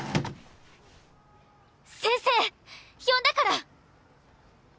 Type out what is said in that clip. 先生呼んだから！